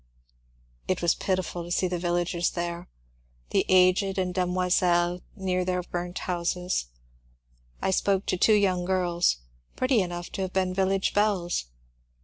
It was pitiful to see the villagers there, the aged and demoiselles near their burnt houses. I spoke to two young girls, pretty enough to have been village belles.